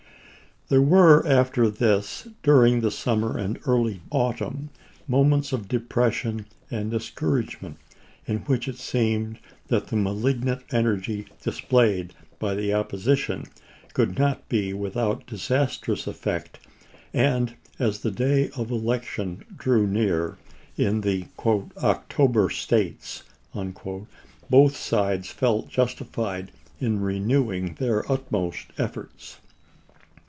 There were after this, during the summer and early autumn, moments of depression and discour agement in which it seemed that the malignant energy displayed by the opposition could not be without disastrous effect, and as the day of election drew near in the " October States " both sides felt justified in renewing their utmost efforts.